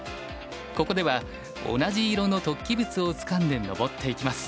ここでは同じ色の突起物をつかんで登っていきます。